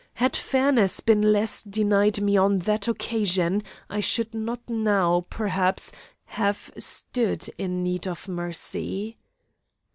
Had fairness been less denied me on that occasion, I should not now, perhaps, have stood in need of mercy.